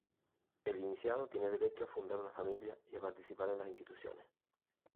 El iniciado tiene derecho a fundar una familia y participar en las instituciones.